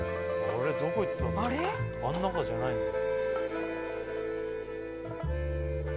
あん中じゃないんだ。